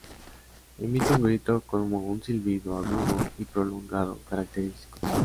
Emite un grito como un silbido agudo y prolongado característico.